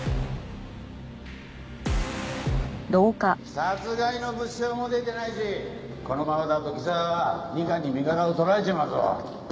殺害の物証も出てないしこのままだと木沢は二課に身柄を取られちまうぞ。